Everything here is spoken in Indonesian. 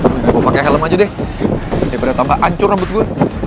gue pake helm aja deh ya berat apa ancur rambut gue